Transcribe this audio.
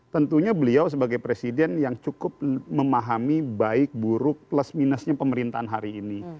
tentunya beliau sebagai presiden yang cukup memahami baik buruk plus minusnya pemerintahan hari ini